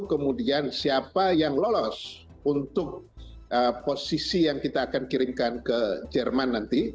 kemudian siapa yang lolos untuk posisi yang kita akan kirimkan ke jerman nanti